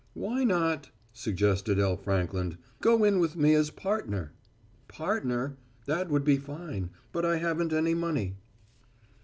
"Why not," suggested L. Frankland, "go in with me as partner?" "Partner that would be fine but I haven't any money."